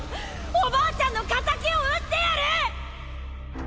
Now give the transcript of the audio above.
おばあちゃんの敵を討ってやる！